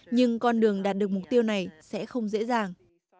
nhưng con đường đạt được mục tiêu này sẽ không dễ dàng